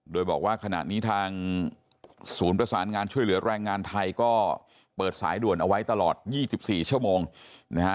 โดยบอกว่าขณะนี้ทางศูนย์ประสานงานช่วยเหลือแรงงานไทยก็เปิดสายด่วนเอาไว้ตลอด๒๔ชั่วโมงนะฮะ